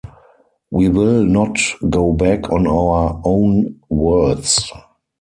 We will not go back on our own words.